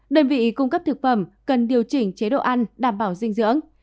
đơn vị cung cấp thực phẩm cần điều chỉnh chế độ ăn đảm bảo dinh dưỡng